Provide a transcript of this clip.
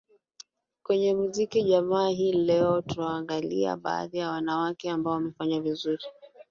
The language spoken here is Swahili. kwenye muziki jumaa hii leo tutawaangalia baadhi ya wanawake ambao wamefanya vizuri